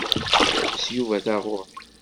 Yeḥbes Yuba taɣuri.